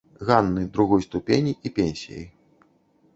Ганны другой ступені і пенсіяй.